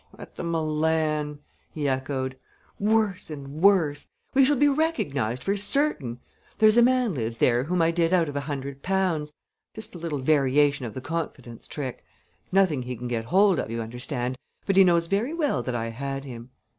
"At the Milan!" he echoed. "Worse and worse! We shall be recognized for certain! There's a man lives there whom I did out of a hundred pounds just a little variation of the confidence trick. Nothing he can get hold of, you understand; but he knows very well that I had him.